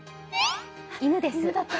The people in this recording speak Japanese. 犬です。